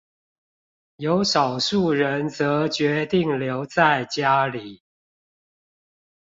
有少數人則決定留在家裡